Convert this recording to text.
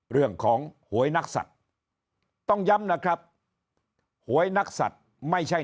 หวยนักสัตว์ต้องย้ำนะครับหวยนักสัตว์ไม่ใช่